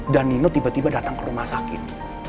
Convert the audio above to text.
dan nino tiba tiba datang ke rumah sakit